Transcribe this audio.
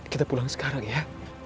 kita pulang sekarang ya